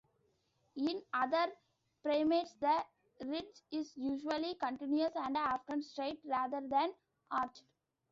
In other primates, the ridge is usually continuous and often straight rather than arched.